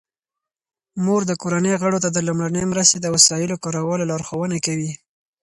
مور د کورنۍ غړو ته د لومړنۍ مرستې د وسایلو کارولو لارښوونه کوي.